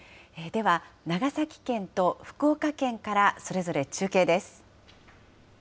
では、長崎県と福岡県からそれぞれ中継です。